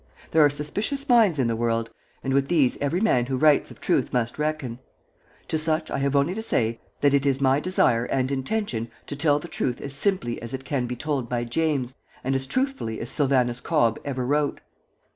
There are suspicious minds in the world, and with these every man who writes of truth must reckon. To such I have only to say that it is my desire and intention to tell the truth as simply as it can be told by James, and as truthfully as Sylvanus Cobb ever wrote!